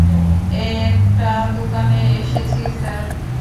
একটা দোকানে এসেছি, স্যার।